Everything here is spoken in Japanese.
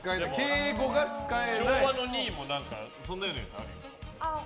昭和の２位もそんなようなやつあるよ。